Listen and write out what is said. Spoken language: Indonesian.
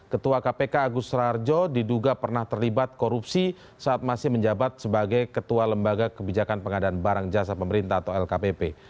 ketua kpk agus rarjo diduga pernah terlibat korupsi saat masih menjabat sebagai ketua lembaga kebijakan pengadaan barang jasa pemerintah atau lkpp